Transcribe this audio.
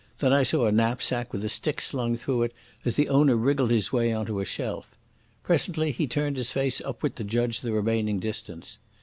Then I saw a knapsack with a stick slung through it, as the owner wriggled his way on to a shelf. Presently he turned his face upward to judge the remaining distance.